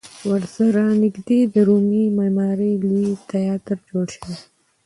ورسره نږدې د رومي معمارۍ لوی تیاتر جوړ شوی دی.